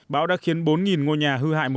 bão đã khiến bốn ngôi nhà hư hại